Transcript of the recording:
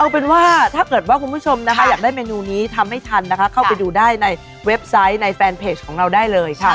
เอาเป็นว่าถ้าเกิดว่าคุณผู้ชมนะคะอยากได้เมนูนี้ทำให้ทันนะคะเข้าไปดูได้ในเว็บไซต์ในแฟนเพจของเราได้เลยค่ะ